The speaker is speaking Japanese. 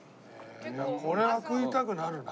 これは食いたくなるな。